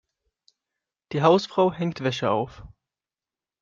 Die Hausfrau hängt Wäsche auf.